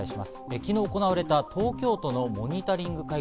昨日、行われた東京都のモニタリング会議。